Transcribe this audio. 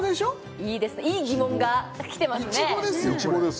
いいですねいい疑問がきてますねいちごですよ